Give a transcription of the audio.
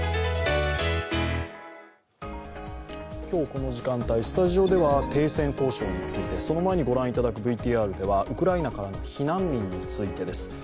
今日この時間帯、スタジオでは停戦交渉についてその前に御覧いただくＶＴＲではウクライナからの避難民についてです。